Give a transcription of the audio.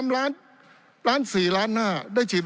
และผมชำใจ